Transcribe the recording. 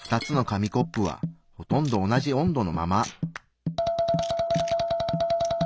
２つの紙コップはほとんど同じ温度のまま。